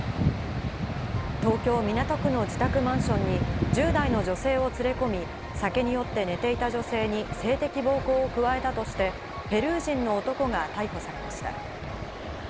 東京・港区の自宅マンションに１０代の女性を連れ込み、酒に酔って寝ていた女性に性的暴行を加えたとしてペルー人の男が逮捕されました。